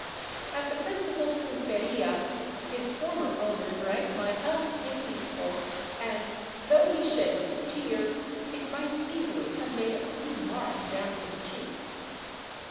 At the prin cipal piilperia his former owner drank my health in pisco, and, though he shed no tear, it might easily have made a clean mark down his cheek.